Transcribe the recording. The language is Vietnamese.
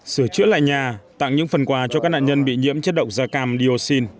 sửa chữa lại nhà tặng những phần quà cho các nạn nhân bị nhiễm chất độc da cam dioxin